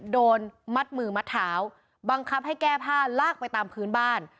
โดนมัดมือมัดเท้าบังคับให้แก้ผ้าลากไปตามพื้นบ้าน